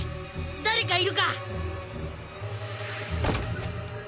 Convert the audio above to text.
誰かいるか？